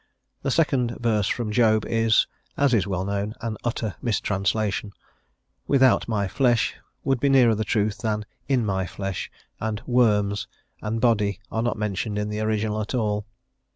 The second verse from Job is as is well known an utter mistranslation: "without my flesh" would be nearer the truth than "in my flesh," and "worms" and body are not mentioned in the original at all.